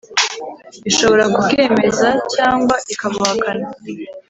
ishobora kubwemeza cyangwa ikabuhakana